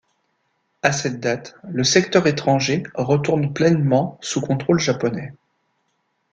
À cette date, le secteur étranger retourne pleinement sous contrôle japonais.